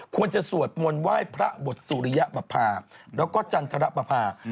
ควรจะสวดมวลไหว้พระบทสุริยะปภาพแล้วก็จันทรปภาพ